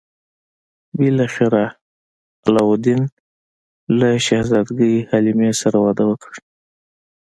بالاخره علاوالدین له شهزادګۍ حلیمې سره واده وکړ.